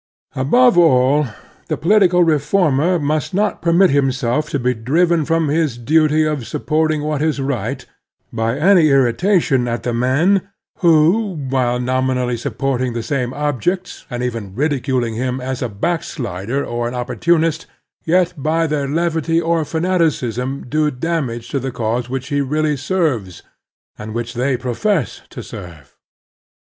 Above all, the political reformer must not permit himself to be driven from his duty of supporting what is right by any irritation at the men who, while nominally supporting the same objects, and even ridiculing him as a backslider or an "opportunist," yet by their levity or fanaticism do damage to the cause which he really serves, and which they profess to serve.